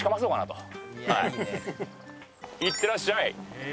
いってらっしゃい。